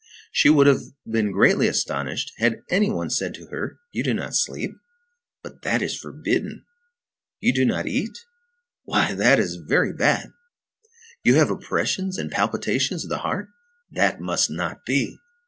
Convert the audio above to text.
She would have been greatly astonished, had any one said to her: "You do not sleep? But that is forbidden! You do not eat? Why, that is very bad! You have oppressions and palpitations of the heart? That must not be!